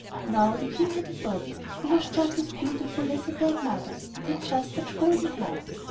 Now, the King had a daughter, who was just as beautiful as her dead mother, and had just such golden hair.